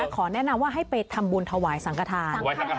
ขอแนะนำว่าให้ไปทำบุญถวายสังขทาน